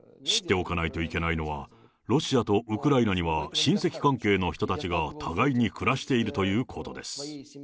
知っておかないといけないのは、ロシアとウクライナには、親戚関係の人たちが互いに暮らしているということです。